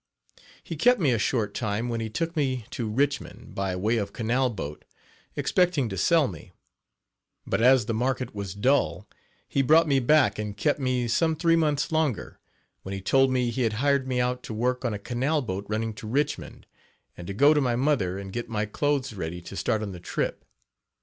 He kept me a short time when he took me to Richmond, by way of canal boat, expecting to sell me; but as the market was dull, he brought me back and kept me some three months longer, when he told me he had hired me out to work on a canal boat running to Richmond, and to go to my mother and get my clothes ready to start on the trip.